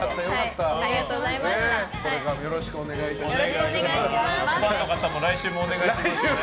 これからもよろしくお願いいたします。